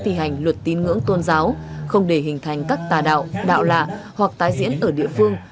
thi hành luật tin ngưỡng tôn giáo không để hình thành các tà đạo đạo lạ hoặc tái diễn ở địa phương